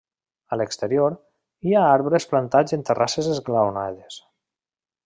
A l'exterior, hi ha arbres plantats en terrasses esglaonades.